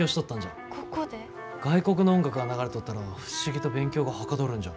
外国の音楽が流れとったら不思議と勉強がはかどるんじゃ。